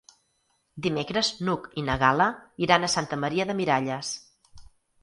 Dimecres n'Hug i na Gal·la iran a Santa Maria de Miralles.